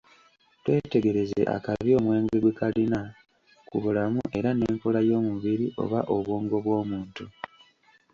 Twetegereze akabi omwenge gwe kalina ku bulamu era n'enkola y'omubiri oba obwongo bw'omuntu.